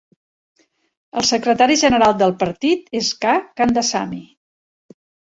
El secretari general del partit és K. Kandasamy.